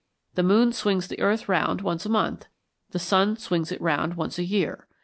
The moon swings the earth round once a month, the sun swings it round once a year.